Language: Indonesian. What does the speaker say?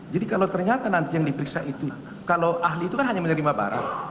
kalau ternyata nanti yang diperiksa itu kalau ahli itu kan hanya menerima barang